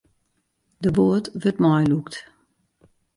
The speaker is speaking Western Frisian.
De boat wurdt meilûkt.